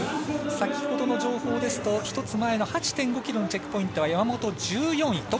先ほどの情報ですと１つ前の８．５ｋｍのチェックポイントは山本１４位。